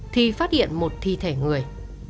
thi phát hiện một thi thể người